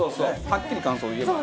はっきり感想言えば。